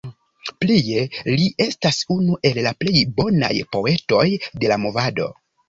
Plie li estas unu el la plej bonaj poetoj de la Movado.